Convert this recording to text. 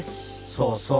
そうそう。